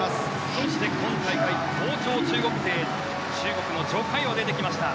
そして今大会好調の中国勢中国のジョ・カヨ出てきました。